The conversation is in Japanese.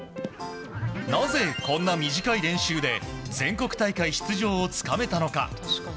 なぜこんな短い練習で全国大会出場をつかめたのか。